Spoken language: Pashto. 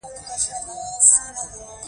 خراب خدمت د مشتری علاقه کموي.